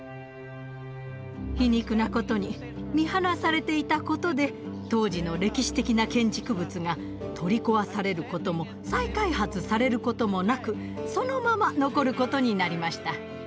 皮肉なことに見放されていたことで当時の歴史的な建築物が取り壊されることも再開発されることもなくそのまま残ることになりました。